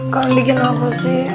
kau bikin apa sih